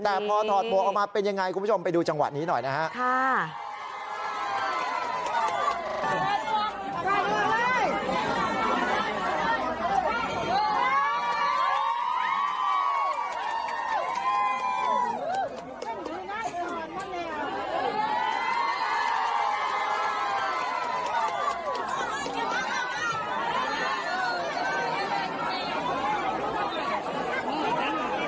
แต่พอถอดหมวกออกมาเป็นยังไงคุณผู้ชมไปดูจังหวะนี้หน่อยนะครับ